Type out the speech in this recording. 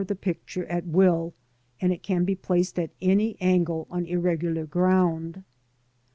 the picture at will, and it can be placed at any angle on irregular ground.